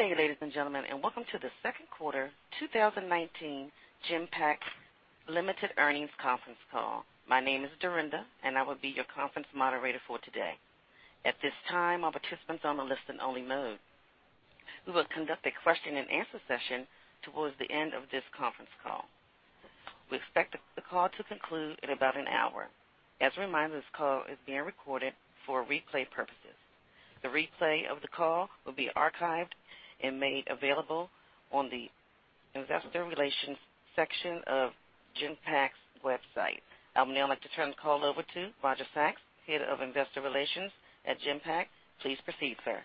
Good day, ladies and gentlemen, and welcome to the second quarter 2019 Genpact Limited earnings conference call. My name is Dorinda, and I will be your conference moderator for today. At this time, all participants are on a listen-only mode. We will conduct a question-and-answer session towards the end of this conference call. We expect the call to conclude in about an hour. As a reminder, this call is being recorded for replay purposes. The replay of the call will be archived and made available on the investor relations section of Genpact's website. I would now like to turn the call over to Roger Sachs, Head of Investor Relations at Genpact. Please proceed, sir.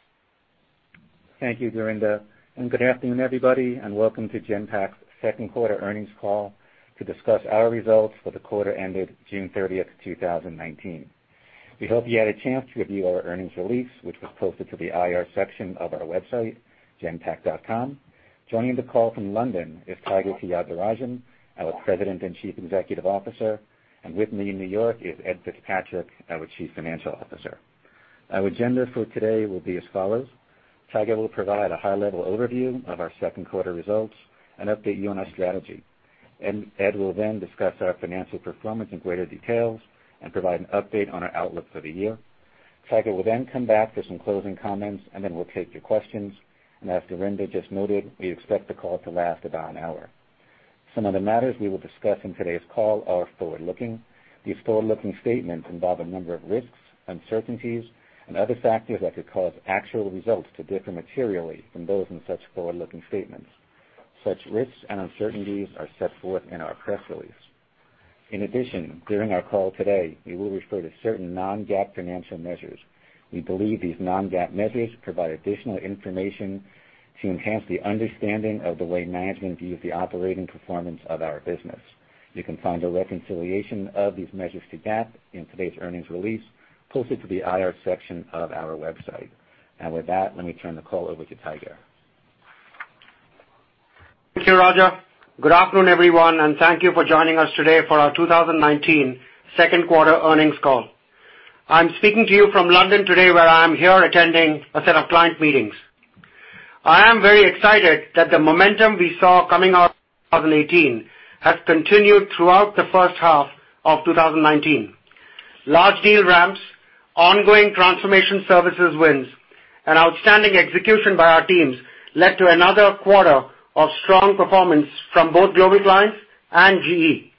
Thank you, Dorinda, and good afternoon, everybody, and welcome to Genpact's second quarter earnings call to discuss our results for the quarter ended June 30th, 2019. We hope you had a chance to review our earnings release, which was posted to the IR section of our website, genpact.com. Joining the call from London is Tiger Tyagarajan, our President and Chief Executive Officer, and with me in New York is Ed Fitzpatrick, our Chief Financial Officer. Our agenda for today will be as follows. Tiger will provide a high-level overview of our second quarter results and update you on our strategy. Ed will then discuss our financial performance in greater details and provide an update on our outlook for the year. Tiger will then come back for some closing comments, and then we'll take your questions. As Dorinda just noted, we expect the call to last about an hour. Some of the matters we will discuss in today's call are forward-looking. These forward-looking statements involve a number of risks, uncertainties, and other factors that could cause actual results to differ materially from those in such forward-looking statements. Such risks and uncertainties are set forth in our press release. In addition, during our call today, we will refer to certain non-GAAP financial measures. We believe these non-GAAP measures provide additional information to enhance the understanding of the way management views the operating performance of our business. You can find a reconciliation of these measures to GAAP in today's earnings release posted to the IR section of our website. With that, let me turn the call over to Tiger. Thank you, Roger. Good afternoon, everyone, and thank you for joining us today for our 2019 second quarter earnings call. I'm speaking to you from London today, where I am here attending a set of client meetings. I am very excited that the momentum we saw coming out of 2018 has continued throughout the first half of 2019. Large deal ramps, ongoing transformation services wins, and outstanding execution by our teams led to another quarter of strong performance from both Global Clients and GE.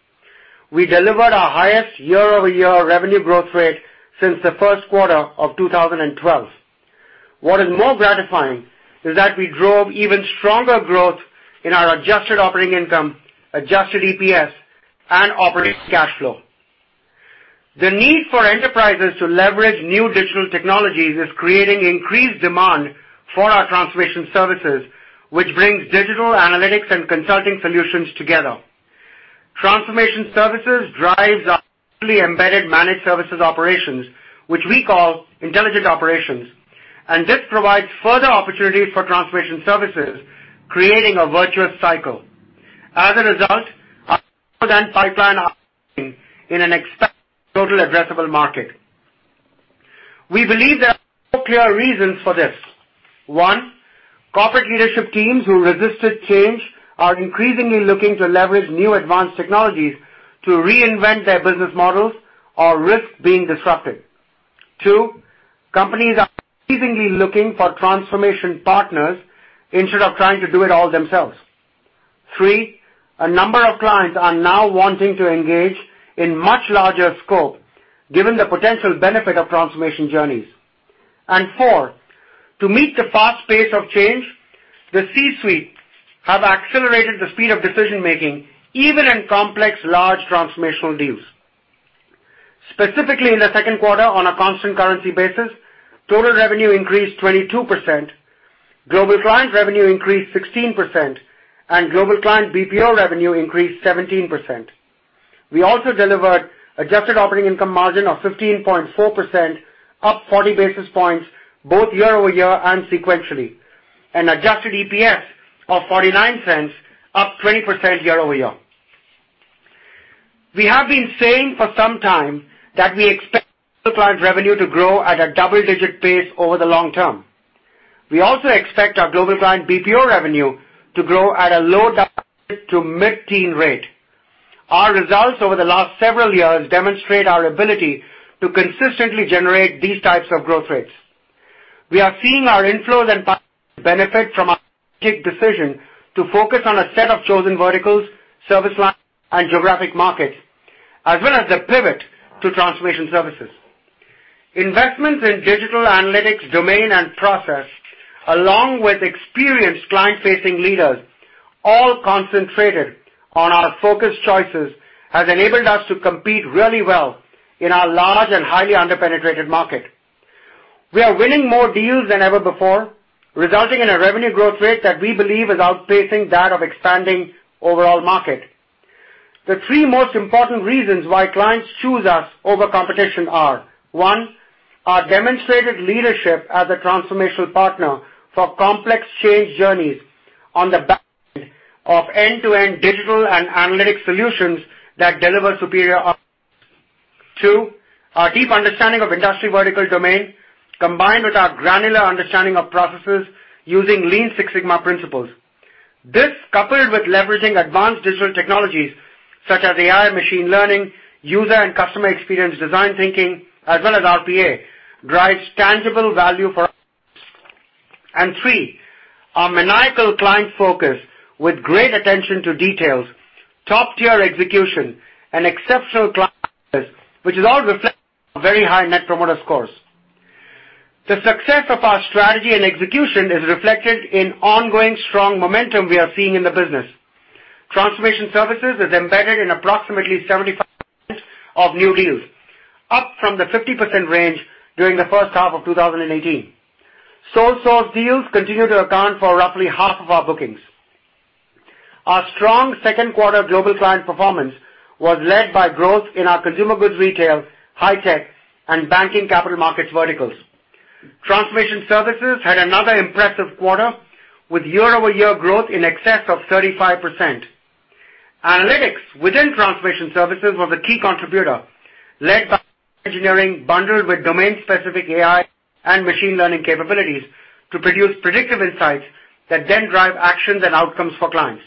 We delivered our highest year-over-year revenue growth rate since the first quarter of 2012. What is more gratifying is that we drove even stronger growth in our adjusted operating income, adjusted EPS, and operating cash flow. The need for enterprises to leverage new digital technologies is creating increased demand for our transformation services, which brings digital analytics and consulting solutions together. Transformation services drives our fully embedded managed services operations, which we call intelligent operations, and this provides further opportunities for transformation services, creating a virtuous cycle. As a result, our pipeline is expanding in an exciting total addressable market. We believe there are four clear reasons for this. One, corporate leadership teams who resisted change are increasingly looking to leverage new advanced technologies to reinvent their business models or risk being disrupted. Two, companies are increasingly looking for transformation partners instead of trying to do it all themselves. Three, a number of clients are now wanting to engage in much larger scope given the potential benefit of transformation journeys. Four, to meet the fast pace of change, the C-suite have accelerated the speed of decision-making even in complex, large transformational deals. Specifically in the second quarter on a constant currency basis, total revenue increased 22%, Global Client revenue increased 16%, and Global Client BPO revenue increased 17%. We also delivered adjusted operating income margin of 15.4%, up 40 basis points both year-over-year and sequentially, an adjusted EPS of $0.49, up 20% year-over-year. We have been saying for some time that we expect Global Client revenue to grow at a double-digit pace over the long term. We also expect our Global Client BPO revenue to grow at a low double-digit to mid-teen rate. Our results over the last several years demonstrate our ability to consistently generate these types of growth rates. We are seeing our inflows and pipeline benefit from our strategic decision to focus on a set of chosen verticals, service lines, and geographic markets, as well as the pivot to transformation services. Investments in digital analytics, domain, and process, along with experienced client-facing leaders, all concentrated on our focus choices, has enabled us to compete really well in our large and highly under-penetrated market. We are winning more deals than ever before, resulting in a revenue growth rate that we believe is outpacing that of expanding overall market. The three most important reasons why clients choose us over competition are, one, our demonstrated leadership as a transformational partner for complex change journeys on the back of end-to-end digital and analytics solutions that deliver superior outcomes. Two, our deep understanding of industry vertical domain, combined with our granular understanding of processes using Lean Six Sigma principles. This, coupled with leveraging advanced digital technologies such as AI, machine learning, user and customer experience design thinking, as well as RPA, drives tangible value for our clients. Three, our maniacal client focus with great attention to details, top-tier execution, and exceptional client service, which is all reflected in our very high Net Promoter Scores. The success of our strategy and execution is reflected in ongoing strong momentum we are seeing in the business. Transformation Services is embedded in approximately 75% of new deals, up from the 50% range during the first half of 2018. Sole source deals continue to account for roughly half of our bookings. Our strong second quarter global client performance was led by growth in our consumer goods, retail, high tech, and banking capital markets verticals. Transformation Services had another impressive quarter, with year-over-year growth in excess of 35%. Analytics within Transformation Services was a key contributor, led by engineering bundled with domain-specific AI and machine learning capabilities to produce predictive insights that then drive actions and outcomes for clients.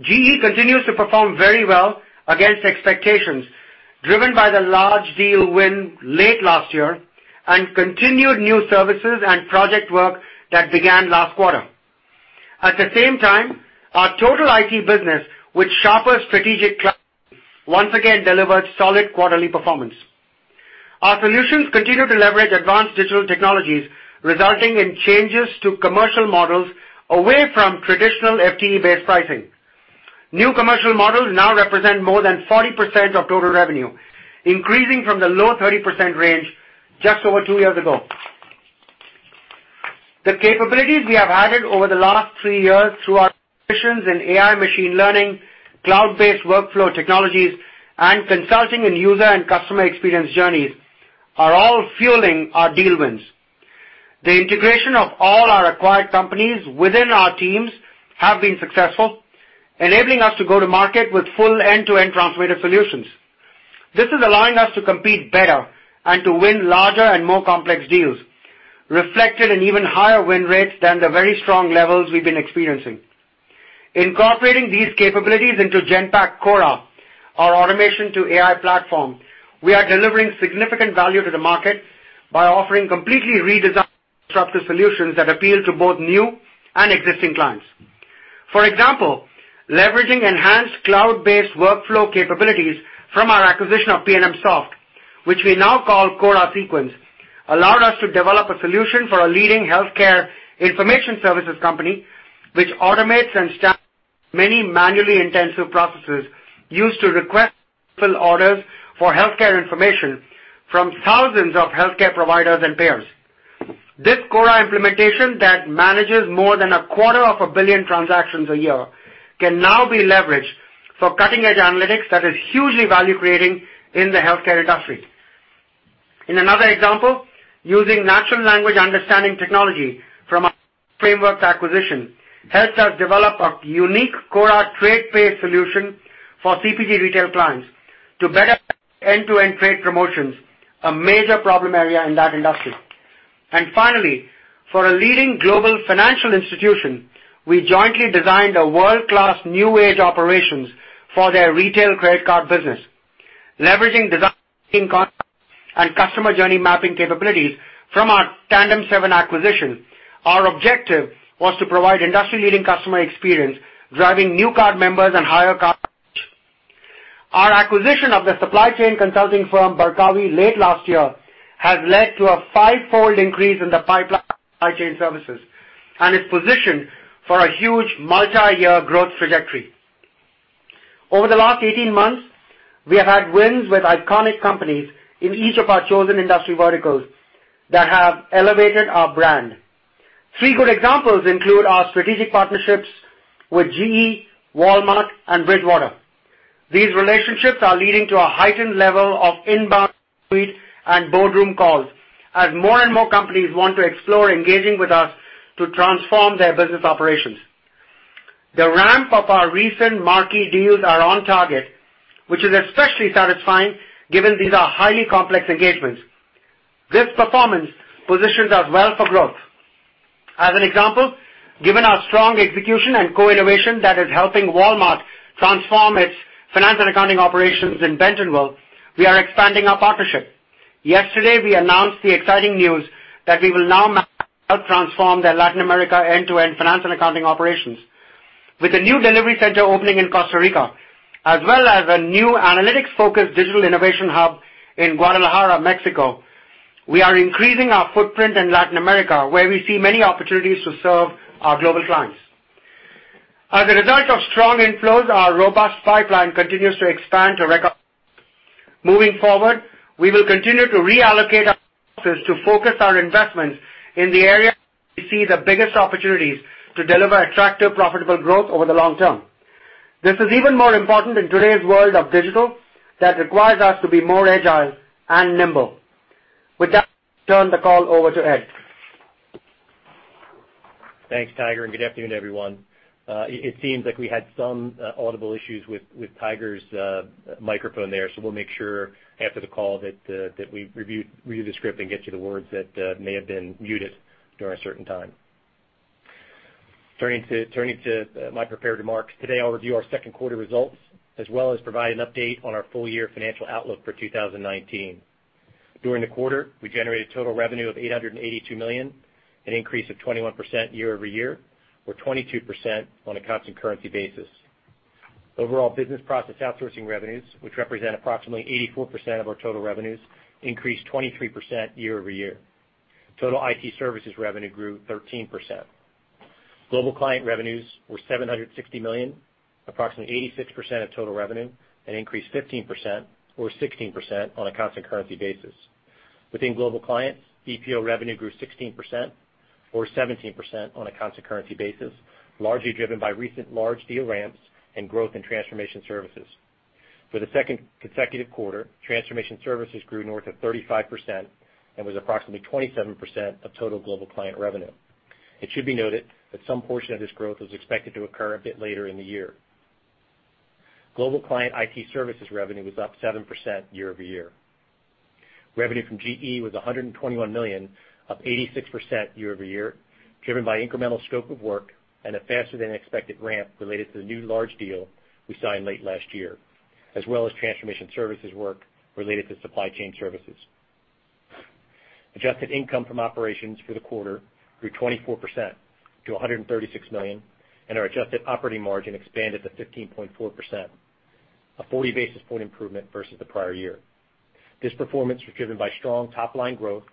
GE continues to perform very well against expectations, driven by the large deal win late last year and continued new services and project work that began last quarter. At the same time, our total IT business with sharper strategic clients, once again delivered solid quarterly performance. Our solutions continue to leverage advanced digital technologies, resulting in changes to commercial models away from traditional FTE-based pricing. New commercial models now represent more than 40% of total revenue, increasing from the low 30% range just over two years ago. The capabilities we have added over the last three years through our acquisitions in AI machine learning, cloud-based workflow technologies, and consulting and user and customer experience journeys are all fueling our deal wins. The integration of all our acquired companies within our teams have been successful, enabling us to go to market with full end-to-end transformative solutions. This is allowing us to compete better and to win larger and more complex deals, reflected in even higher win rates than the very strong levels we've been experiencing. Incorporating these capabilities into Genpact Cora, our automation to AI platform, we are delivering significant value to the market by offering completely redesigned disruptive solutions that appeal to both new and existing clients. For example, leveraging enhanced cloud-based workflow capabilities from our acquisition of PNMsoft, which we now call Cora SeQuence, allowed us to develop a solution for a leading healthcare information services company, which automates and staffs many manually intensive processes used to request full orders for healthcare information from thousands of healthcare providers and payers. This Cora implementation that manages more than a quarter of a billion transactions a year, can now be leveraged for cutting-edge analytics that is hugely value-creating in the healthcare industry. In another example, using natural language understanding technology from our Frameworks acquisition helped us develop a unique Cora TradePay solution for CPG retail clients to better end-to-end trade promotions, a major problem area in that industry. Finally, for a leading global financial institution, we jointly designed a world-class new age operations for their retail credit card business. Leveraging design and customer journey mapping capabilities from our TandemSeven acquisition, our objective was to provide industry-leading customer experience, driving new card members. Our acquisition of the supply chain consulting firm, Barkawi, late last year, has led to a five-fold increase in the pipeline supply chain services and is positioned for a huge multi-year growth trajectory. Over the last 18 months, we have had wins with iconic companies in each of our chosen industry verticals that have elevated our brand. Three good examples include our strategic partnerships with GE, Walmart, and Bridgewater. These relationships are leading to a heightened level of inbound queries and boardroom calls as more and more companies want to explore engaging with us to transform their business operations. The ramp of our recent marquee deals are on target, which is especially satisfying given these are highly complex engagements. This performance positions us well for growth. As an example, given our strong execution and co-innovation that is helping Walmart transform its finance and accounting operations in Bentonville, we are expanding our partnership. Yesterday, we announced the exciting news that we will now help transform their Latin America end-to-end finance and accounting operations. With a new delivery center opening in Costa Rica, as well as a new analytics-focused digital innovation hub in Guadalajara, Mexico, we are increasing our footprint in Latin America, where we see many opportunities to serve our global clients. As a result of strong inflows, our robust pipeline continues to expand to record levels. Moving forward, we will continue to reallocate our resources to focus our investments in the areas where we see the biggest opportunities to deliver attractive, profitable growth over the long term. This is even more important in today's world of digital that requires us to be more agile and nimble. With that, I'll turn the call over to Ed. Thanks, Tiger, and good afternoon, everyone. It seems like we had some audible issues with Tiger's microphone there, so we'll make sure after the call that we review the script and get you the words that may have been muted during a certain time. Turning to my prepared remarks. Today, I'll review our second quarter results, as well as provide an update on our full-year financial outlook for 2019. During the quarter, we generated total revenue of $882 million, an increase of 21% year-over-year, or 22% on a constant currency basis. Overall business process outsourcing revenues, which represent approximately 84% of our total revenues, increased 23% year-over-year. Total IT services revenue grew 13%. Global client revenues were $760 million, approximately 86% of total revenue, and increased 15%, or 16%, on a constant currency basis. Within global clients, BPO revenue grew 16%, or 17%, on a constant currency basis, largely driven by recent large deal ramps and growth in transformation services. For the second consecutive quarter, transformation services grew north of 35% and was approximately 27% of total global client revenue. It should be noted that some portion of this growth was expected to occur a bit later in the year. Global client IT services revenue was up 7% year-over-year. Revenue from GE was $121 million, up 86% year-over-year, driven by incremental scope of work and a faster than expected ramp related to the new large deal we signed late last year, as well as transformation services work related to supply chain services. Adjusted income from operations for the quarter grew 24% to $136 million, and our adjusted operating margin expanded to 15.4%, a full-year basis point improvement versus the prior year. This performance was driven by strong top-line growth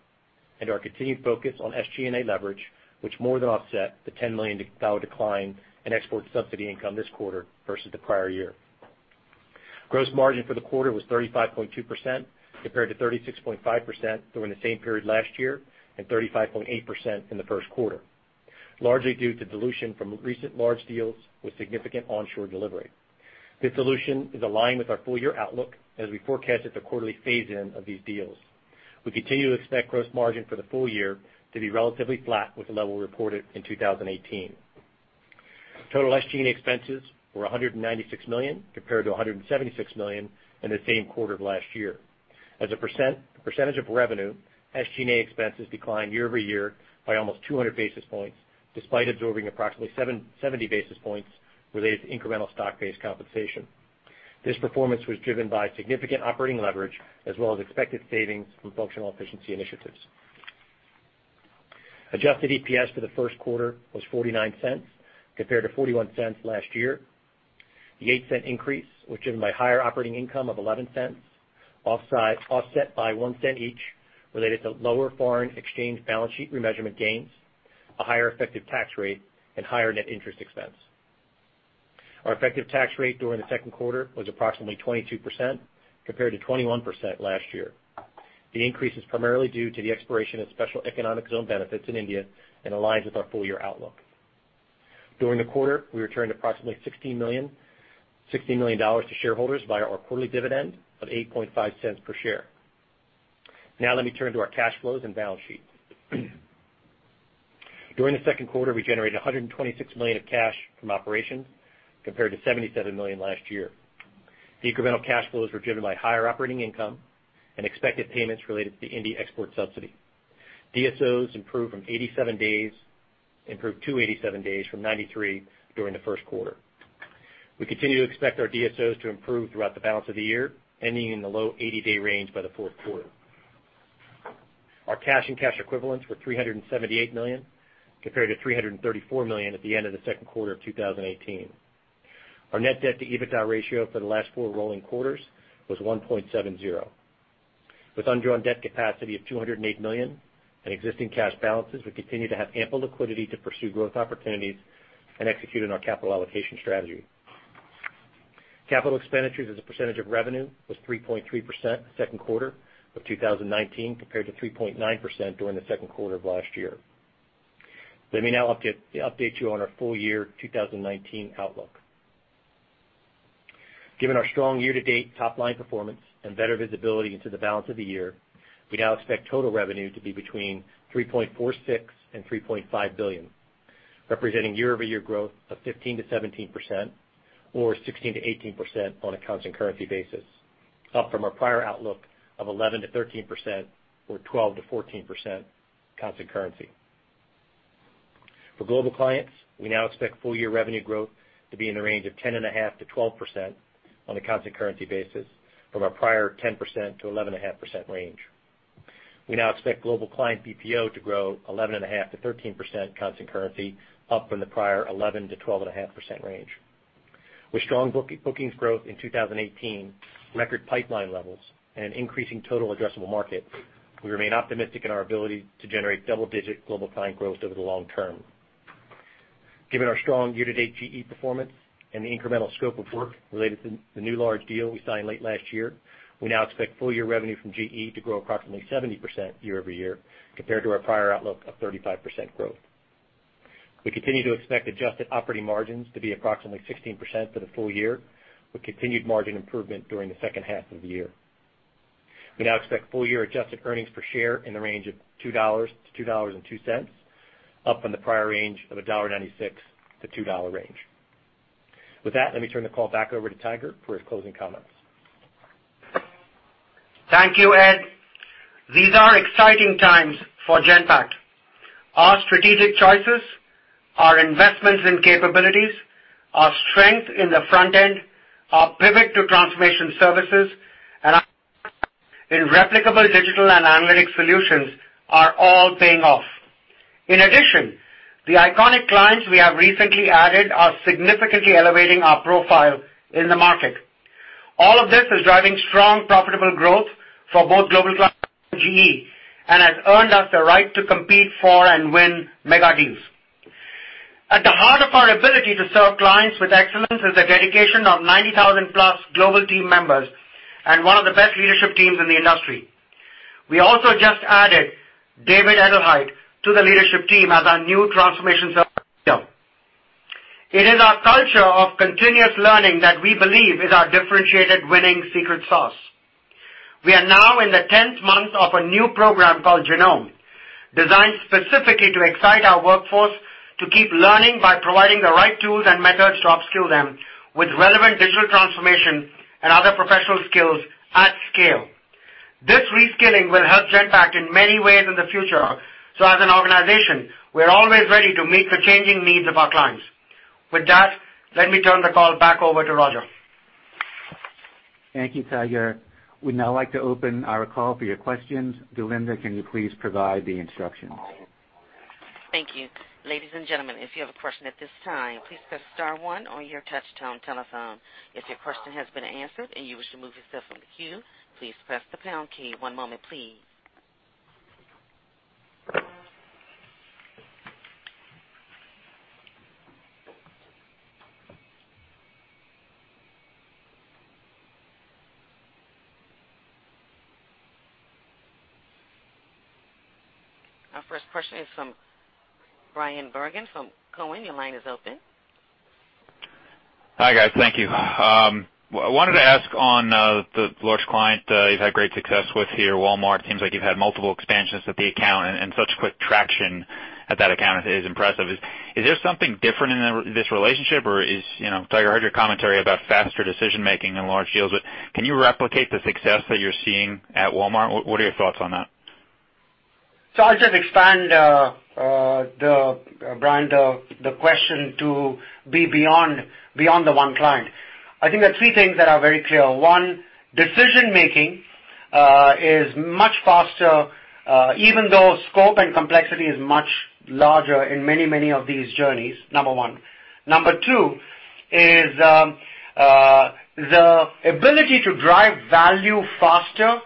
and our continued focus on SGA leverage, which more than offset the $10 million decline in export subsidy income this quarter versus the prior year. Gross margin for the quarter was 35.2%, compared to 36.5% during the same period last year, and 35.8% in the first quarter, largely due to dilution from recent large deals with significant onshore delivery. This dilution is aligned with our full-year outlook as we forecasted the quarterly phase-in of these deals. We continue to expect gross margin for the full year to be relatively flat with the level reported in 2018. Total SGA expenses were $196 million compared to $176 million in the same quarter of last year. As a percentage of revenue, SGA expenses declined year-over-year by almost 200 basis points, despite absorbing approximately 70 basis points related to incremental stock-based compensation. This performance was driven by significant operating leverage as well as expected savings from functional efficiency initiatives. Adjusted EPS for the first quarter was $0.49 compared to $0.41 last year. The $0.08 increase was driven by higher operating income of $0.11, offset by $0.01 each related to lower foreign exchange balance sheet remeasurement gains, a higher effective tax rate, and higher net interest expense. Our effective tax rate during the second quarter was approximately 22% compared to 21% last year. The increase is primarily due to the expiration of special economic zone benefits in India and aligns with our full-year outlook. During the quarter, we returned approximately $60 million to shareholders via our quarterly dividend of $0.085 per share. Let me turn to our cash flows and balance sheet. During the second quarter, we generated $126 million of cash from operations, compared to $77 million last year. The incremental cash flows were driven by higher operating income and expected payments related to the India export subsidy. DSOs improved to 87 days, from 93 during the first quarter. We continue to expect our DSOs to improve throughout the balance of the year, ending in the low 80-day range by the fourth quarter. Our cash and cash equivalents were $378 million, compared to $334 million at the end of the second quarter of 2018. Our net debt to EBITDA ratio for the last four rolling quarters was 1.70. With undrawn debt capacity of $208 million in existing cash balances, we continue to have ample liquidity to pursue growth opportunities and execute on our capital allocation strategy. Capital expenditures as a percentage of revenue was 3.3% second quarter of 2019 compared to 3.9% during the second quarter of last year. Let me now update you on our full-year 2019 outlook. Given our strong year-to-date top-line performance and better visibility into the balance of the year, we now expect total revenue to be between $3.46 billion and $3.5 billion, representing year-over-year growth of 15%-17%, or 16%-18% on a constant currency basis, up from our prior outlook of 11%-13%, or 12%-14% constant currency. For global clients, we now expect full-year revenue growth to be in the range of 10.5%-12% on a constant currency basis from our prior 10%-11.5% range. We now expect global client BPO to grow 11.5%-13% constant currency, up from the prior 11%-12.5% range. With strong bookings growth in 2018, record pipeline levels, and increasing total addressable market, we remain optimistic in our ability to generate double-digit global client growth over the long term. Given our strong year-to-date GE performance and the incremental scope of work related to the new large deal we signed late last year, we now expect full year revenue from GE to grow approximately 70% year-over-year compared to our prior outlook of 35% growth. We continue to expect adjusted operating margins to be approximately 16% for the full year, with continued margin improvement during the second half of the year. We now expect full-year adjusted earnings per share in the range of $2-$2.02, up from the prior range of $1.96-$2 range. With that, let me turn the call back over to Tiger for his closing comments. Thank you, Ed. These are exciting times for Genpact. Our strategic choices, our investments in capabilities, our strength in the front end, our pivot to transformation services, and in replicable digital and analytic solutions are all paying off. The iconic clients we have recently added are significantly elevating our profile in the market. All of this is driving strong, profitable growth for both Global GE, and has earned us the right to compete for and win mega deals. At the heart of our ability to serve clients with excellence is the dedication of 90,000-plus global team members and one of the best leadership teams in the industry. We also just added David Edelheit to the leadership team as our new transformation services CEO. It is our culture of continuous learning that we believe is our differentiated winning secret sauce. We are now in the 10th month of a new program called Genome, designed specifically to excite our workforce to keep learning by providing the right tools and methods to upskill them with relevant digital transformation and other professional skills at scale. This reskilling will help Genpact in many ways in the future. As an organization, we're always ready to meet the changing needs of our clients. With that, let me turn the call back over to Roger. Thank you, Tiger. We'd now like to open our call for your questions. Delinda, can you please provide the instructions? Thank you. Ladies and gentlemen, if you have a question at this time, please press star one on your touch tone telephone. If your question has been answered and you wish to remove yourself from the queue, please press the pound key. One moment, please. Our first question is from Bryan Bergin from Cowen. Your line is open. Hi, guys. Thank you. I wanted to ask on the large client you've had great success with here, Walmart, seems like you've had multiple expansions with the account and such quick traction at that account is impressive. Is there something different in this relationship? Tiger, I heard your commentary about faster decision-making in large deals. Can you replicate the success that you're seeing at Walmart? What are your thoughts on that? I'll just expand, Bryan, the question to be beyond the one client. I think there are three things that are very clear. One, decision-making is much faster even though scope and complexity is much larger in many of these journeys, number one. Number two is the ability to drive value faster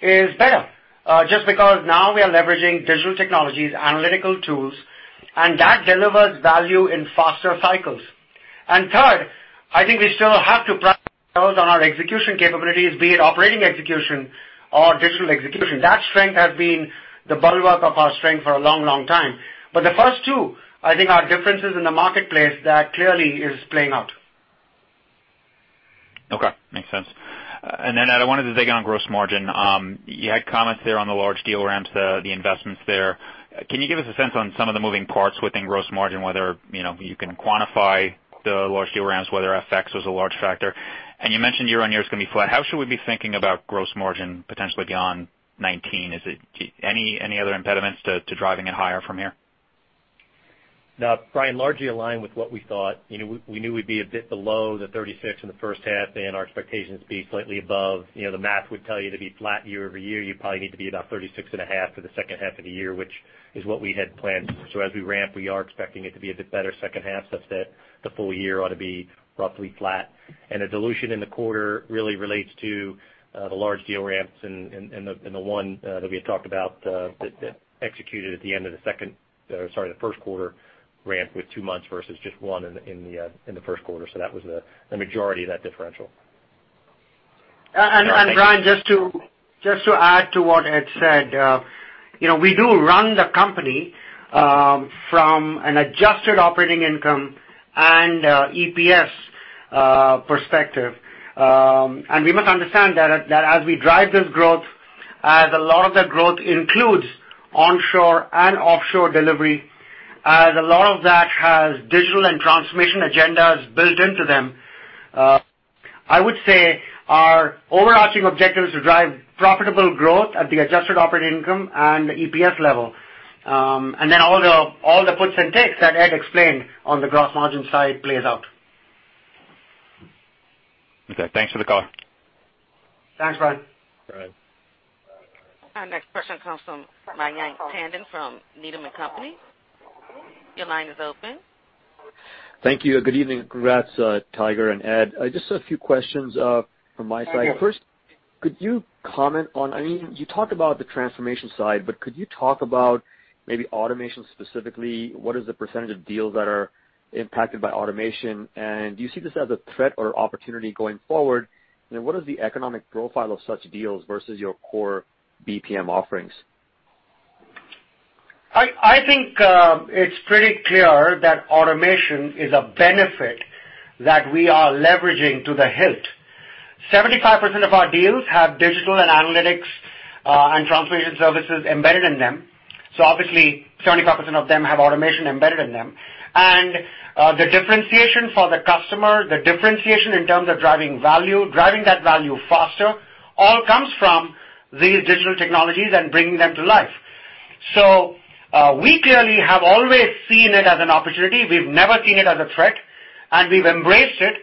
is better, just because now we are leveraging digital technologies, analytical tools, and that delivers value in faster cycles. Third, I think we still have to pride ourselves on our execution capabilities, be it operating execution or digital execution. That strength has been the bulwark of our strength for a long time. The first two, I think, are differences in the marketplace that clearly is playing out. Okay. Makes sense. Ed, I wanted to dig on gross margin. You had comments there on the large deal ramps, the investments there. Can you give us a sense on some of the moving parts within gross margin, whether you can quantify the large deal ramps, whether FX was a large factor? You mentioned year-on-year is going to be flat. How should we be thinking about gross margin potentially beyond 2019? Any other impediments to driving it higher from here? Now, Bryan, largely aligned with what we thought, we knew we'd be a bit below the 36 in the first half, and our expectations be slightly above. The math would tell you to be flat year-over-year, you probably need to be about 36.5 for the second half of the year, which is what we had planned. As we ramp, we are expecting it to be a bit better second half, such that the full year ought to be roughly flat. The dilution in the quarter really relates to the large deal ramps and the one that we had talked about that executed at the end of the second, the first quarter ramp with two months versus just one in the first quarter. That was the majority of that differential. Bryan, just to add to what Ed said, we do run the company from an adjusted operating income and EPS perspective. We must understand that as we drive this growth, as a lot of that growth includes onshore and offshore delivery, as a lot of that has digital and transformation agendas built into them, I would say our overarching objective is to drive profitable growth at the adjusted operating income and EPS level. Then all the puts and takes that Ed explained on the gross margin side plays out. Okay. Thanks for the call. Thanks, Bryan. Bye. Our next question comes from Mayank Tandon from Needham & Company. Your line is open. Thank you. Good evening. Congrats, Tiger and Ed. Just a few questions from my side. First, you talked about the transformation side, but could you talk about maybe automation specifically? What is the percentage of deals that are impacted by automation, and do you see this as a threat or opportunity going forward? What is the economic profile of such deals versus your core BPM offerings? I think it's pretty clear that automation is a benefit that we are leveraging to the hilt. 75% of our deals have digital and analytics, and transformation services embedded in them. Obviously, 75% of them have automation embedded in them. The differentiation for the customer, the differentiation in terms of driving value, driving that value faster, all comes from these digital technologies and bringing them to life. We clearly have always seen it as an opportunity. We've never seen it as a threat, and we've embraced it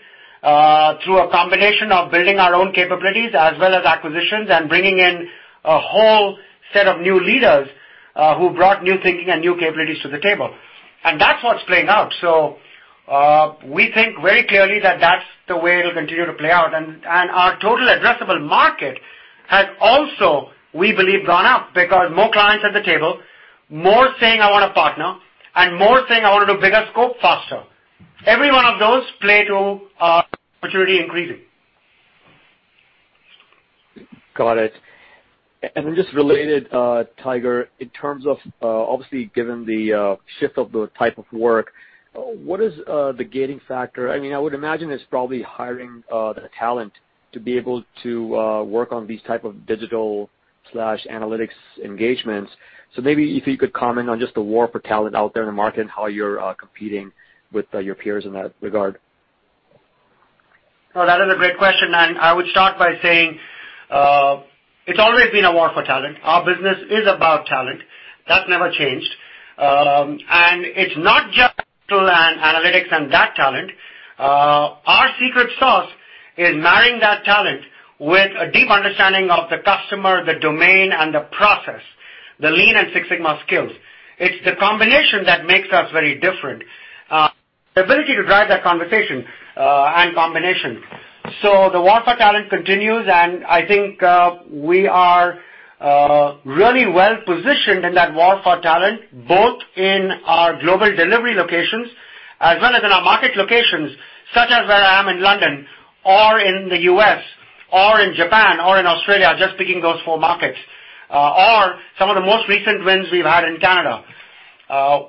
through a combination of building our own capabilities as well as acquisitions and bringing in a whole set of new leaders who brought new thinking and new capabilities to the table. That's what's playing out. We think very clearly that that's the way it'll continue to play out. Our total addressable market has also, we believe, gone up because more clients at the table, more saying, "I want to partner," and more saying, "I want to do bigger scope faster." Every one of those play to our opportunity increasing. Got it. Just related, Tiger, in terms of, obviously, given the shift of the type of work, what is the gating factor? I would imagine it's probably hiring, the talent to be able to work on these type of digital/analytics engagements. Maybe if you could comment on just the war for talent out there in the market and how you're competing with your peers in that regard? No, that is a great question, and I would start by saying, it's always been a war for talent. Our business is about talent. That's never changed. It's not just tool and analytics and that talent. Our secret sauce is marrying that talent with a deep understanding of the customer, the domain, and the process, the Lean and Six Sigma skills. It's the combination that makes us very different, the ability to drive that conversation and combination. The war for talent continues, and I think we are really well-positioned in that war for talent, both in our global delivery locations as well as in our market locations, such as where I am in London or in the U.S. or in Japan or in Australia, just picking those four markets, or some of the most recent wins we've had in Canada.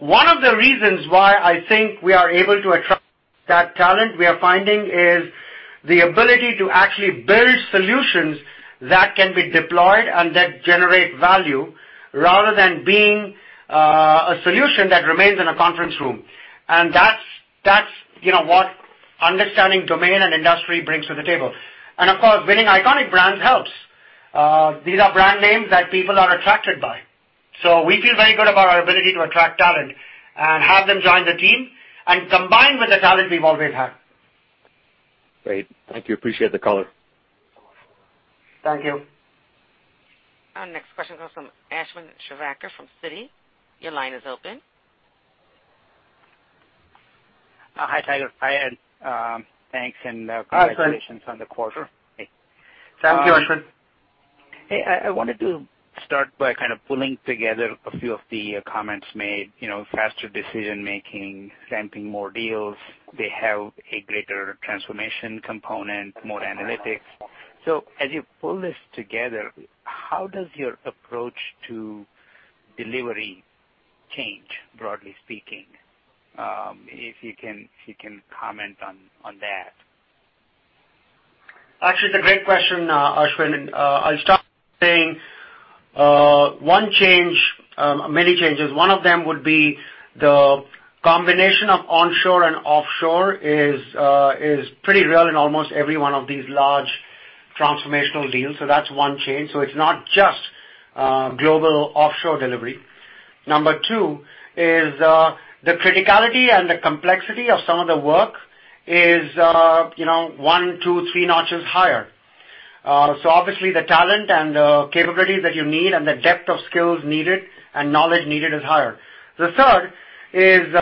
One of the reasons why I think we are able to attract that talent we are finding is the ability to actually build solutions that can be deployed and that generate value rather than being a solution that remains in a conference room. That's what understanding domain and industry brings to the table. Of course, winning iconic brands helps. These are brand names that people are attracted by. We feel very good about our ability to attract talent and have them join the team, and combined with the talent we've always had. Great. Thank you. Appreciate the color. Thank you. Our next question comes from Ashwin Shirvaikar from Citi. Your line is open. Hi, Tiger. Hi, Ed. Thanks. Hi, Ashwin. Congratulations on the quarter. Sure. Thank you, Ashwin. Hey, I wanted to start by kind of pulling together a few of the comments made, faster decision-making, ramping more deals. They have a greater transformation component, more analytics. As you pull this together, how does your approach to delivery change, broadly speaking? If you can comment on that. Ashwin, it's a great question. I'll start by saying one change, many changes. One of them would be the combination of onshore and offshore is pretty real in almost every one of these large transformational deals. That's one change. It's not just global offshore delivery. Number 2 is the criticality and the complexity of some of the work is one, two, three notches higher. Obviously, the talent and the capabilities that you need and the depth of skills needed and knowledge needed is higher. The third is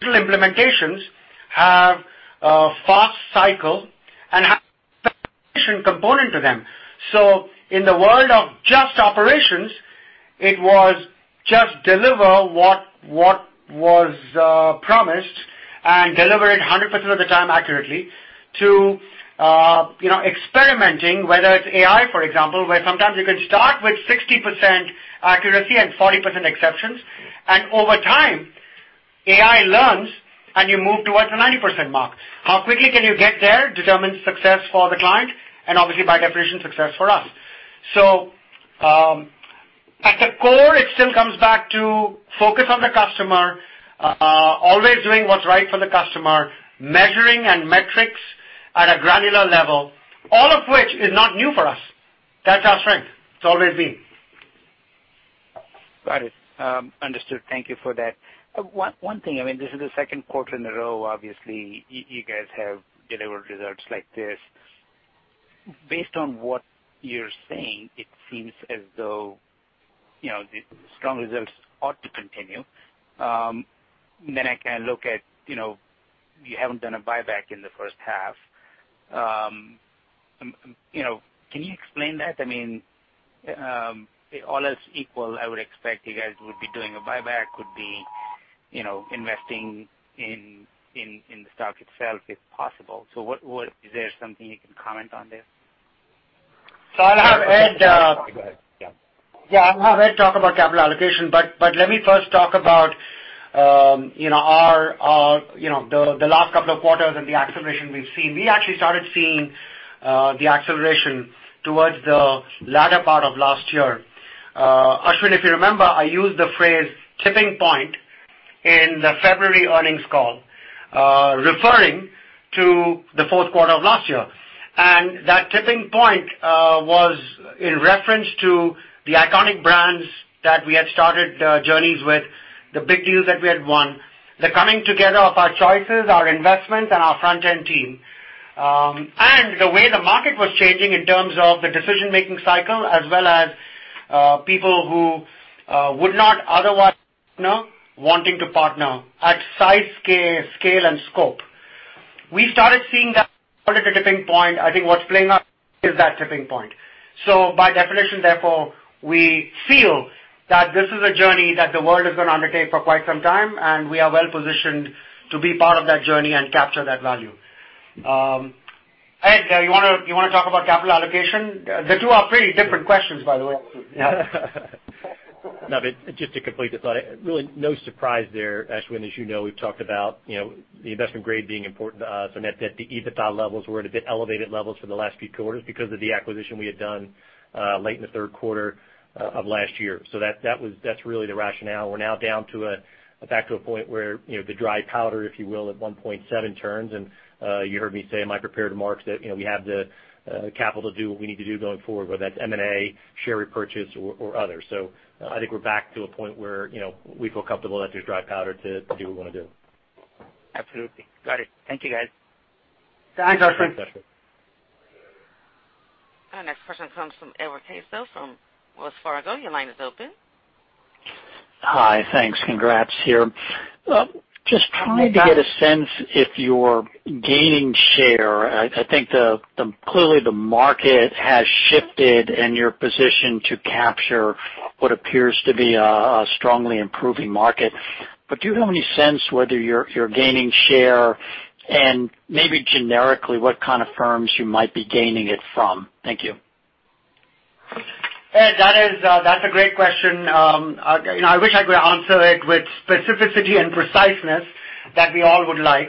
digital implementations have a fast cycle and have transformation component to them. In the world of just operations, it was just deliver what was promised and deliver it 100% of the time accurately to experimenting, whether it's AI, for example, where sometimes you can start with 60% accuracy and 40% exceptions, and over time, AI learns, and you move towards the 90% mark. How quickly can you get there determines success for the client, and obviously, by definition, success for us. At the core, it still comes back to focus on the customer, always doing what's right for the customer, measuring and metrics at a granular level, all of which is not new for us. That's our strength. It's always been. Got it. Understood. Thank you for that. One thing, this is the second quarter in a row, obviously, you guys have delivered results like this. Based on what you're saying, it seems as though the strong results ought to continue. I can look at, you haven't done a buyback in the first half. Can you explain that? All else equal, I would expect you guys would be doing a buyback, would be investing in the stock itself if possible. Is there something you can comment on there? I'll have Ed-. Go ahead. Yeah. Yeah, I'll have Ed talk about capital allocation, but let me first talk about the last couple of quarters and the acceleration we've seen. We actually started seeing the acceleration towards the latter part of last year. Ashwin, if you remember, I used the phrase "tipping point" in the February earnings call, referring to the fourth quarter of last year. That tipping point was in reference to the iconic brands that we had started journeys with, the big deals that we had won, the coming together of our choices, our investments, and our front-end team. The way the market was changing in terms of the decision-making cycle, as well as people who would not otherwise partner, wanting to partner at size, scale, and scope. We started seeing that as a tipping point. I think what's playing out is that tipping point. By definition, therefore, we feel that this is a journey that the world is going to undertake for quite some time, and we are well positioned to be part of that journey and capture that value. Ed, you want to talk about capital allocation? The two are pretty different questions, by the way. No, just to complete the thought, really no surprise there, Ashwin. As you know, we've talked about the investment grade being important to us, and that the EBITDA levels were at a bit elevated levels for the last few quarters because of the acquisition we had done late in the third quarter of last year. That's really the rationale. We're now back to a point where the dry powder, if you will, at 1.7 turns, and you heard me say in my prepared remarks that we have the capital to do what we need to do going forward, whether that's M&A, share repurchase, or other. I think we're back to a point where we feel comfortable that there's dry powder to do what we want to do. Absolutely. Got it. Thank you, guys. Thanks, Ashwin. Thanks, Ashwin. Our next question comes from Edward Caso from Wells Fargo. Your line is open. Hi. Thanks. Congrats here. Just trying to get a sense if you're gaining share. I think clearly the market has shifted, and you're positioned to capture what appears to be a strongly improving market. Do you have any sense whether you're gaining share and maybe generically, what kind of firms you might be gaining it from? Thank you. Ed, that's a great question. I wish I could answer it with specificity and preciseness that we all would like.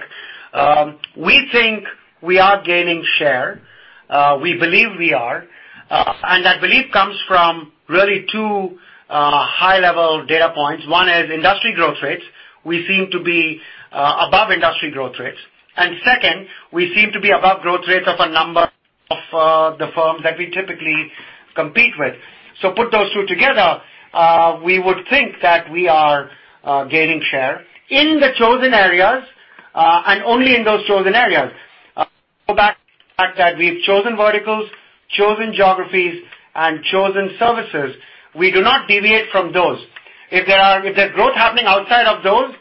We think we are gaining share. We believe we are. That belief comes from really two high-level data points. One is industry growth rates. We seem to be above industry growth rates. Second, we seem to be above growth rates of a number of the firms that we typically compete with. Put those two together, we would think that we are gaining share in the chosen areas, and only in those chosen areas. Go back to the fact that we've chosen verticals, chosen geographies, and chosen services. We do not deviate from those. If there's growth happening outside of those,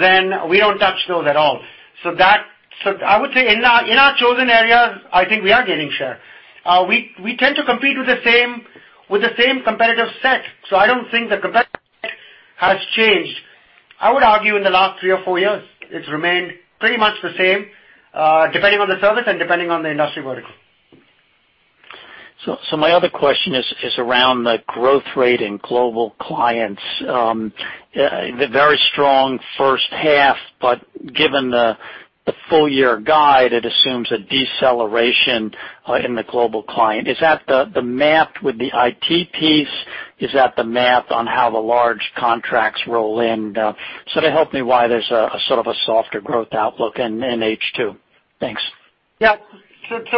then we don't touch those at all. I would say in our chosen areas, I think we are gaining share. We tend to compete with the same competitive set. I don't think the competitive set has changed. I would argue in the last three or four years, it's remained pretty much the same, depending on the service and depending on the industry vertical. My other question is around the growth rate in global clients. The very strong first half, but given the full year guide, it assumes a deceleration in the global client. Is that the math with the IT piece? Is that the math on how the large contracts roll in? Help me why there's a sort of a softer growth outlook in H2. Thanks. Yeah. Ed,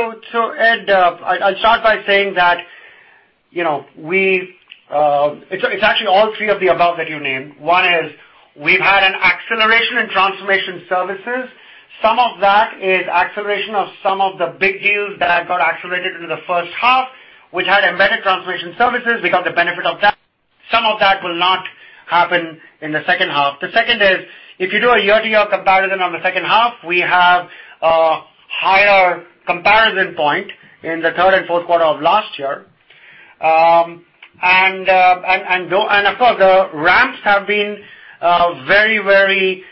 I'll start by saying that it's actually all three of the above that you named. One is we've had an acceleration in transformation services. Some of that is acceleration of some of the big deals that got accelerated into the first half, which had embedded transformation services. We got the benefit of that. Some of that will not happen in the second half. The second is, if you do a year-to-year comparison on the second half, we have a higher comparison point in the third and fourth quarter of last year. Of course, the ramps have been very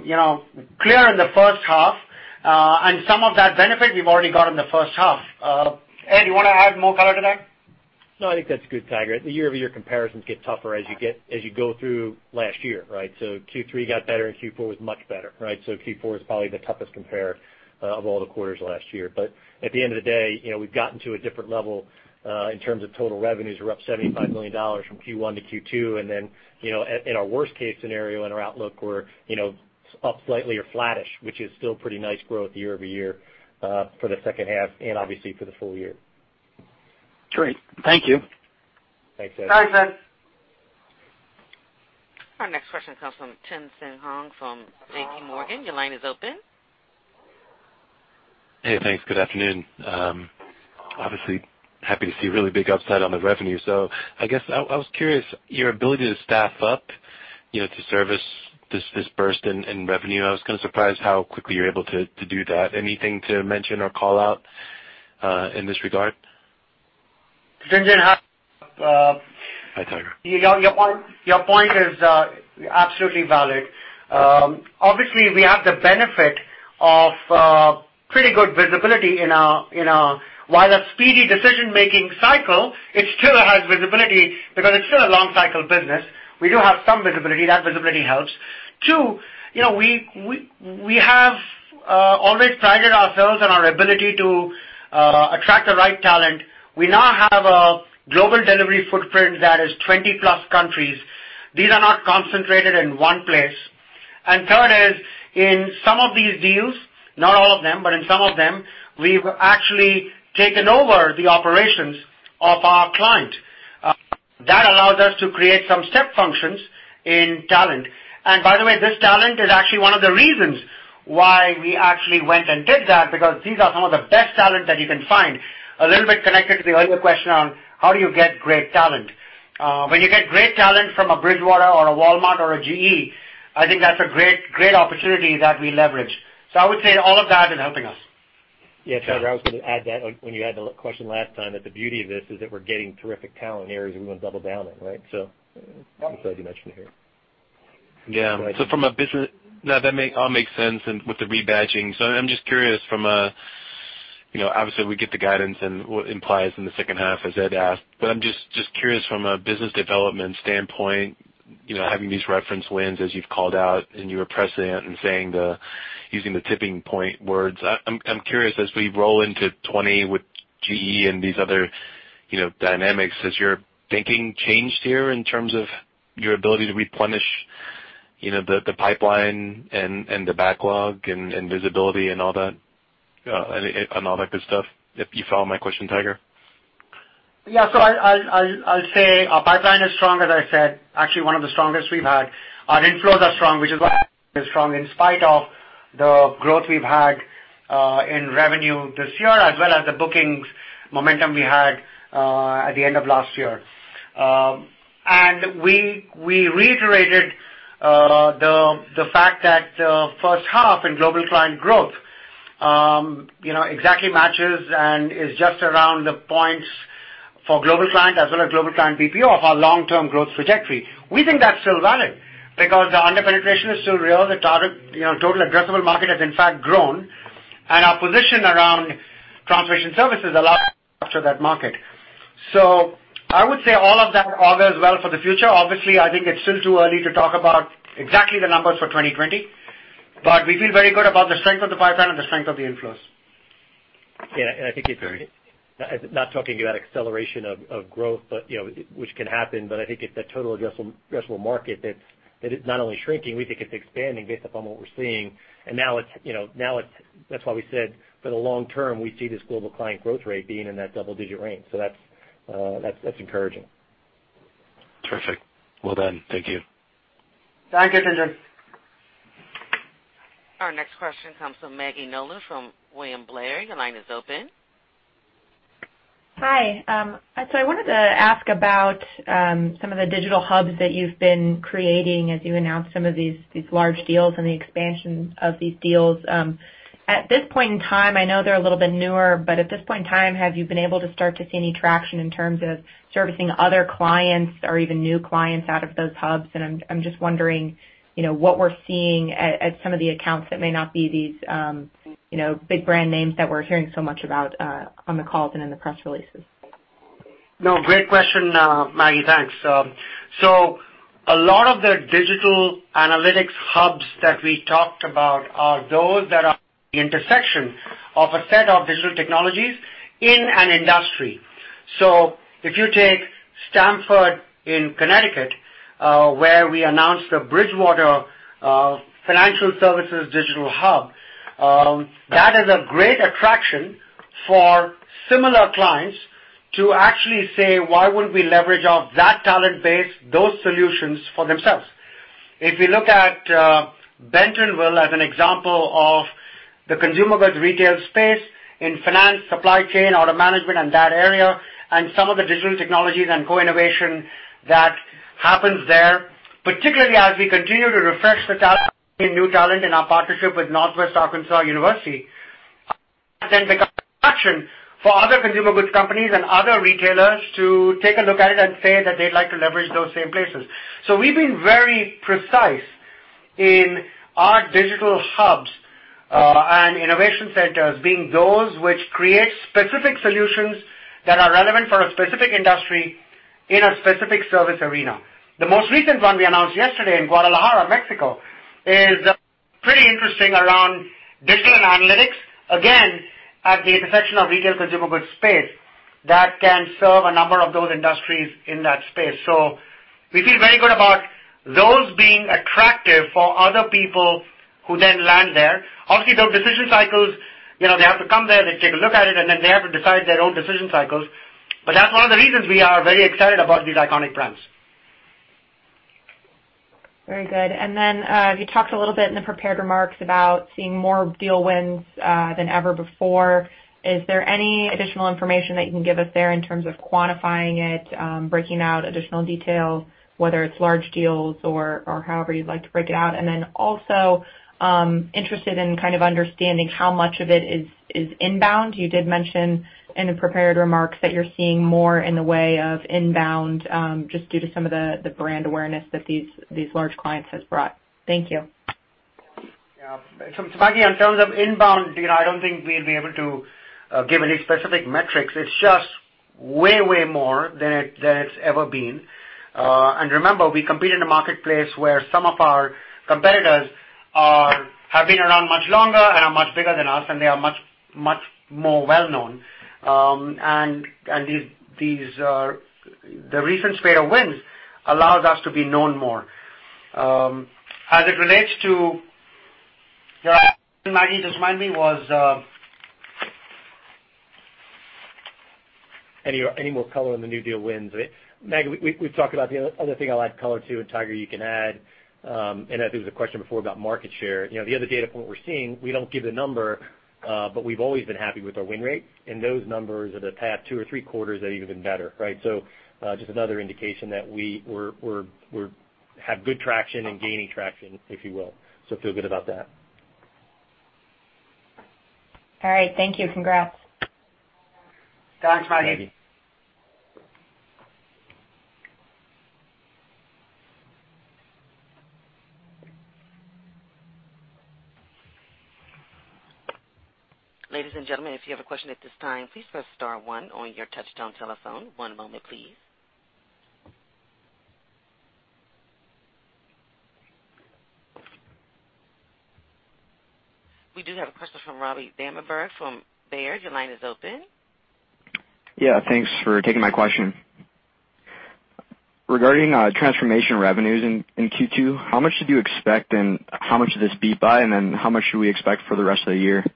clear in the first half. Some of that benefit we've already got in the first half. Ed, you want to add more color to that? No, I think that's good, Tiger. The year-over-year comparisons get tougher as you go through last year, right? Q3 got better and Q4 was much better, right? Q4 is probably the toughest compare of all the quarters last year. At the end of the day, we've gotten to a different level in terms of total revenues. We're up $75 million from Q1 to Q2, and then in our worst case scenario in our outlook, we're up slightly or flattish, which is still pretty nice growth year-over-year for the second half and obviously for the full year. Great. Thank you. Thanks, Ed. Thanks, Ed. Our next question comes from Tien-Tsin Huang from JP Morgan. Your line is open. Hey, thanks. Good afternoon. Obviously happy to see really big upside on the revenue. I guess I was curious, your ability to staff up to service this burst in revenue. I was kind of surprised how quickly you're able to do that. Anything to mention or call out in this regard? Tien-Tsin, hi. Hi, Tiger. Your point is absolutely valid. Obviously, we have the benefit of pretty good visibility. While a speedy decision-making cycle, it still has visibility because it's still a long cycle business. We do have some visibility. That visibility helps. Two, we have always prided ourselves on our ability to attract the right talent. We now have a global delivery footprint that is 20-plus countries. These are not concentrated in one place. Third is, in some of these deals, not all of them, but in some of them, we've actually taken over the operations of our client. That allows us to create some step functions in talent. By the way, this talent is actually one of the reasons why we actually went and did that, because these are some of the best talent that you can find. A little bit connected to the earlier question on how do you get great talent. When you get great talent from a Bridgewater or a Walmart or a GE, I think that's a great opportunity that we leverage. I would say all of that is helping us. Yeah, Tiger, I was going to add that when you had the question last time, that the beauty of this is that we're getting terrific talent areas we want to double down on, right? I'm glad you mentioned it here. Yeah. No, that all makes sense with the rebadging. I'm just curious from a-- Obviously, we get the guidance and what implies in the second half, as Ed asked. I'm just curious from a business development standpoint, having these reference wins as you've called out in your press event and using the tipping point words. I'm curious, as we roll into 2020 with GE and these other dynamics, has your thinking changed here in terms of your ability to replenish the pipeline and the backlog and visibility and all that good stuff? If you follow my question, Tiger. I'll say our pipeline is strong, as I said. Actually, one of the strongest we've had. Our inflows are strong, which is why it's strong in spite of the growth we've had in revenue this year, as well as the bookings momentum we had at the end of last year. We reiterated the fact that first half in global client growth exactly matches and is just around the points for global client as well as global client BPO of our long-term growth trajectory. We think that's still valid because the under-penetration is still real. The total addressable market has in fact grown, and our position around transformation services allows after that market. I would say all of that augurs well for the future. Obviously, I think it's still too early to talk about exactly the numbers for 2020. We feel very good about the strength of the pipeline and the strength of the inflows. Yeah. I think it's not talking about acceleration of growth, which can happen, but I think it's that total addressable market that it's not only shrinking, we think it's expanding based upon what we're seeing. Now that's why we said for the long term, we see this global client growth rate being in that double-digit range. That's encouraging. Terrific. Well done. Thank you. Thank you, Tien-Tsin. Our next question comes from Maggie Nolan from William Blair. Your line is open. Hi. I wanted to ask about some of the digital hubs that you've been creating as you announce some of these large deals and the expansion of these deals. At this point in time, I know they're a little bit newer, but at this point in time, have you been able to start to see any traction in terms of servicing other clients or even new clients out of those hubs? I'm just wondering what we're seeing at some of the accounts that may not be these big brand names that we're hearing so much about on the calls and in the press releases. Great question, Maggie. Thanks. A lot of the digital analytics hubs that we talked about are those that are intersection of a set of digital technologies in an industry. If you take Stamford, Connecticut, where we announced the Bridgewater Financial Services digital hub, that is a great attraction for similar clients to actually say, "Why wouldn't we leverage off that talent base, those solutions for themselves?" If you look at Bentonville as an example of the consumer goods retail space in finance, supply chain, order management and that area, and some of the digital technologies and co-innovation that happens there, particularly as we continue to refresh the talent in new talent in our partnership with University of Arkansas, then become attraction for other consumer goods companies and other retailers to take a look at it and say that they'd like to leverage those same places. We've been very precise in our digital hubs and innovation centers being those which create specific solutions that are relevant for a specific industry in a specific service arena. The most recent one we announced yesterday in Guadalajara, Mexico, is pretty interesting around digital and analytics, again, at the intersection of retail consumer goods space that can serve a number of those industries in that space. We feel very good about those being attractive for other people who then land there. Obviously, those decision cycles, they have to come there, they take a look at it, and then they have to decide their own decision cycles. That's one of the reasons we are very excited about these iconic brands. Very good. You talked a little bit in the prepared remarks about seeing more deal wins than ever before. Is there any additional information that you can give us there in terms of quantifying it, breaking out additional detail, whether it's large deals or however you'd like to break it out? Interested in kind of understanding how much of it is inbound. You did mention in the prepared remarks that you're seeing more in the way of inbound, just due to some of the brand awareness that these large clients has brought. Thank you. Yeah. Maggie, in terms of inbound, I don't think we'll be able to give any specific metrics. It's just way more than it's ever been. Remember, we compete in a marketplace where some of our competitors have been around much longer and are much bigger than us, and they are much more well-known. The recent spate of wins allows us to be known more. As it relates to Maggie, just remind me was. Any more color on the new deal wins. Maggie, we've talked about the other thing I'll add color to, and Tiger, you can add, and I think there was a question before about market share. The other data point we're seeing, we don't give the number, but we've always been happy with our win rate. Those numbers at the past two or three quarters have even been better, right? Just another indication that we have good traction and gaining traction, if you will. Feel good about that. All right. Thank you. Congrats. Thanks, Maggie. Thank you. Ladies and gentlemen, if you have a question at this time, please press star one on your touchtone telephone. One moment, please. We do have a question from David Koning from Baird. Your line is open. Yeah, thanks for taking my question. Regarding transformation revenues in Q2, how much did you expect and how much did this beat by, and then how much should we expect for the rest of the year?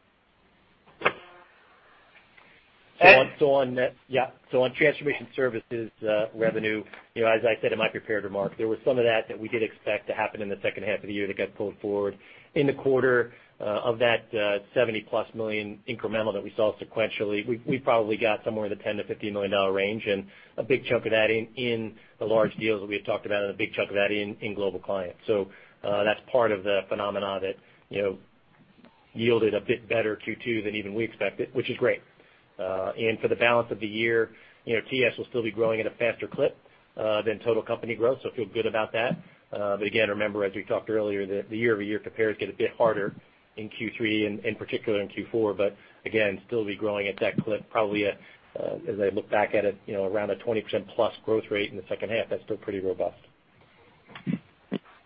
On transformation services revenue, as I said in my prepared remarks, there was some of that that we did expect to happen in the second half of the year that got pulled forward. In the quarter, of that $70-plus million incremental that we saw sequentially, we probably got somewhere in the $10 million-$15 million range, and a big chunk of that in the large deals that we had talked about, and a big chunk of that in global client. That's part of the phenomena that yielded a bit better Q2 than even we expected, which is great. For the balance of the year, TS will still be growing at a faster clip than total company growth, so feel good about that. Again, remember, as we talked earlier, the year-over-year compares get a bit harder in Q3 and in particular in Q4, but again, still be growing at that clip, probably as I look back at it, around a 20% plus growth rate in the second half. That's still pretty robust.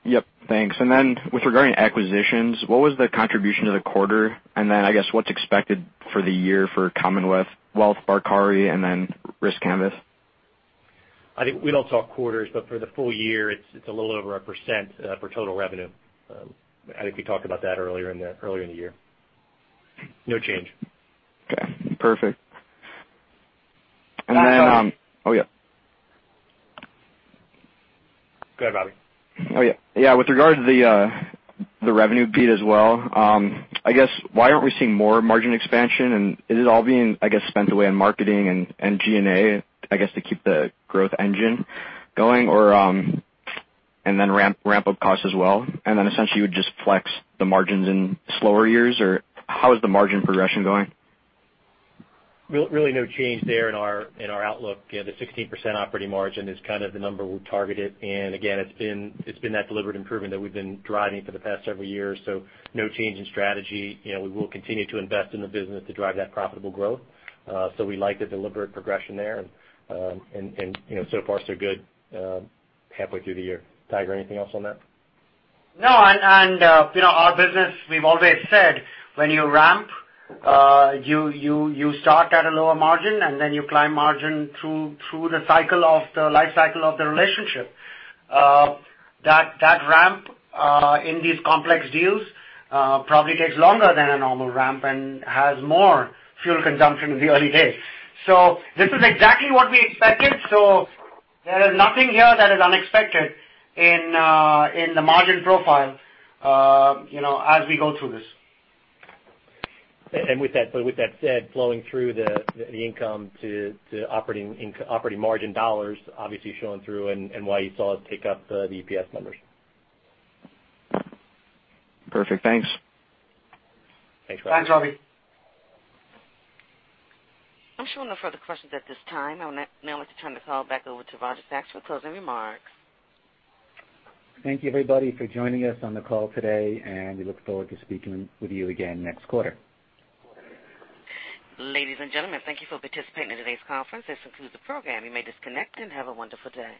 Yep. Thanks. Regarding acquisitions, what was the contribution to the quarter? I guess, what's expected for the year for Commonwealth, Barkawi, riskCanvas? We don't talk quarters, but for the full year, it's a little over a percent for total revenue. I think we talked about that earlier in the year. No change. Okay, perfect. Sorry. Oh, yeah. Go ahead, Robbie. Yeah. Yeah, with regard to the revenue beat as well, I guess, why aren't we seeing more margin expansion? Is it all being, I guess, spent away on marketing and G&A, I guess, to keep the growth engine going? Then ramp up costs as well, then essentially you would just flex the margins in slower years? How is the margin progression going? Really no change there in our outlook. The 16% operating margin is kind of the number we targeted. Again, it's been that deliberate improvement that we've been driving for the past several years. No change in strategy. We will continue to invest in the business to drive that profitable growth. We like the deliberate progression there, and so far, so good halfway through the year. Tiger, anything else on that? No, our business, we've always said when you ramp, you start at a lower margin, and then you climb margin through the life cycle of the relationship. That ramp in these complex deals probably takes longer than a normal ramp and has more fuel consumption in the early days. This is exactly what we expected. There is nothing here that is unexpected in the margin profile as we go through this. With that said, flowing through the income to operating margin $ obviously showing through and why you saw it tick up the EPS numbers. Perfect. Thanks. Thanks, Robbie. Thanks, David. I'm showing no further questions at this time. I would now like to turn the call back over to Roger Sachs for closing remarks. Thank you, everybody, for joining us on the call today, and we look forward to speaking with you again next quarter. Ladies and gentlemen, thank you for participating in today's conference. This concludes the program. You may disconnect and have a wonderful day.